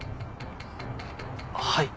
はい。